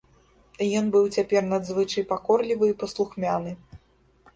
Ён быў цяпер надзвычай пакорлівы і паслухмяны.